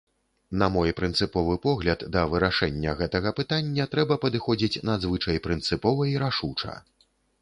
На мой прынцыповы погляд, да вырашэння гэтага пытання трэба падыходзіць надзвычай прынцыпова і рашуча.